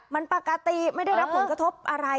มันปกติไม่ได้รับผลกระทบอะไร